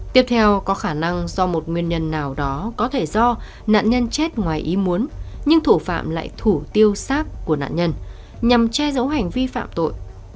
tiếp theo có khả năng do một nguyên nhân nào đó có thể do nạn nhân chết ngoài ý muốn nhưng thủ phạm lại thủ tiêu xác của nạn nhân nhằm che giấu hành vi phạm tội